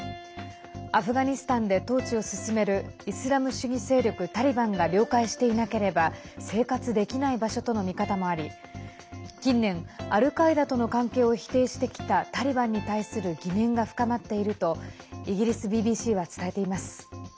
アフガニスタンで統治を進めるイスラム主義勢力タリバンが了解していなければ生活できない場所との見方もあり近年、アルカイダとの関係を否定してきたタリバンに対する疑念が深まっているとイギリスＢＢＣは伝えています。